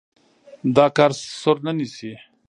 دا کار سر نه نيسي.